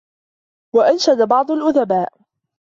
وَأَنْشَدَ بَعْضُ الْأُدَبَاءِ